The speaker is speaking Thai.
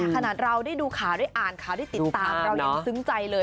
ขนาดเราได้ดูข่าวได้อ่านข่าวได้ติดตามเรายังซึ้งใจเลย